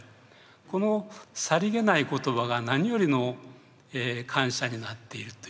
このさりげない言葉が何よりの感謝になっているという。